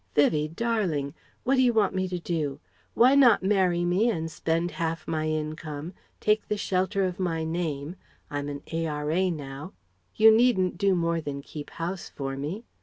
"Vivie darling what do you want me to do? Why not marry me and spend half my income, take the shelter of my name I'm an A.R.A. now You needn't do more than keep house for me....